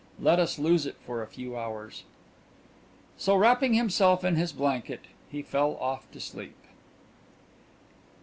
Let us lose it for a few hours." So wrapping himself in his blanket he fell off to sleep.